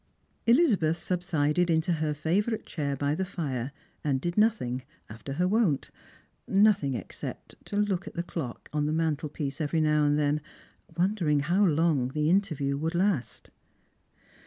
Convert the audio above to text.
Elizabeth subsided into her favourite chair by the fire, and did nothino^ after her wont — nothing, except look at the clock on the mantel* piece every now and then, wondering how long the interview would last.